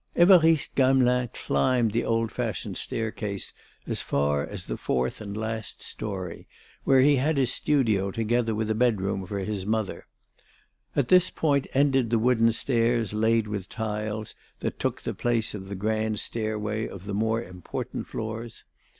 Évariste Gamelin climbed the old fashioned staircase as far as the fourth and last storey, where he had his studio together with a bedroom for his mother. At this point ended the wooden stairs laid with tiles that took the place of the grand stairway of the more important floors.